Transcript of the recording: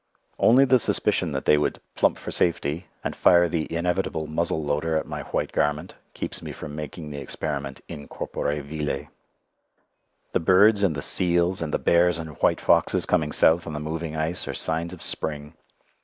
Only the suspicion that they would "plump for safety," and fire the inevitable muzzle loader at my white garment, keeps me from making the experiment in corpore vile. The birds and the seals and the bears and white foxes coming south on the moving ice are signs of spring.